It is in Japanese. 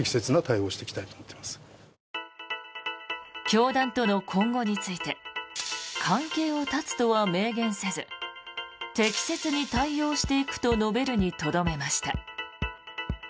教団との今後について関係を絶つとは明言せず適切に対応していくと述べるにとどめました。